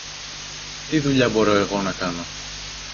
Τι δουλειά μπορώ εγώ να κάνω;